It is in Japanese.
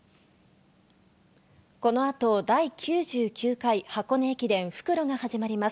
この後、第９９回箱根駅伝、復路が始まります。